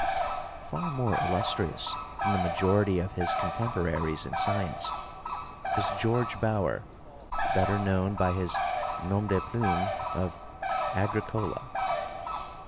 Far more illustrious than the majority of his contem poraries in science was George Bauer, better known by his "nom de plume" of Agricola.